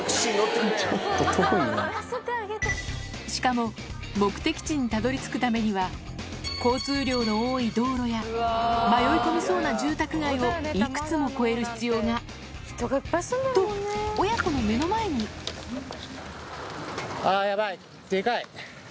しかも目的地にたどり着くためには交通量の多い道路や迷い込みそうな住宅街を幾つも越える必要がと親子の目の前にあヤバいデカい。